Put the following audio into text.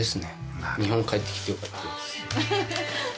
ああ、日本に帰ってきてよかったです。